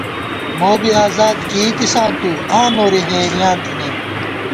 موبی اذاد کېئیتِساں تُو، آں نوری حېریاں تھنَئیم